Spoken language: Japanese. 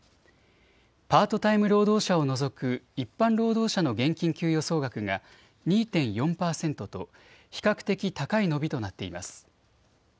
パートタイム労働者を除く一般労働者の現金給与総額が２．４％と比較的、高い伸びとなっています。